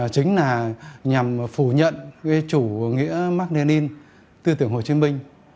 chính là nhằm phủ nhận cái chủ nghĩa mark lenin tư tưởng hồ chí minh